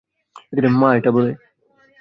মা এটা বলে।